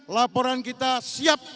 laporan kita siap